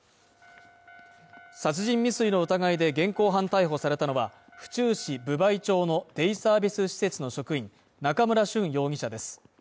殺人未遂の疑いで現行犯逮捕されたのは、府中市分梅町のデイサービス施設の職員中村瞬容疑者です。